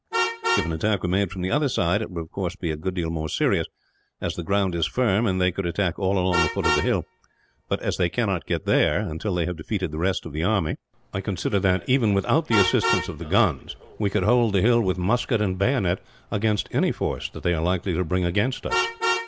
If an attack were made from the other side, it would of course be a good deal more serious, as the ground is firm and they could attack all along the foot of the hill; but as they cannot get there, until they have defeated the rest of the army, I consider that, even without the assistance of the guns, we could hold the hill with musket and bayonet against any force that they are likely to bring against us."